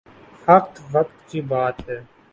فقط وقت کی بات ہے۔